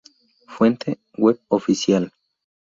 Fuente: web oficial